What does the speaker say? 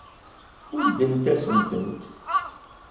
Muddent-asen-tent.